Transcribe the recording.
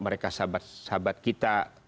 mereka sahabat sahabat kita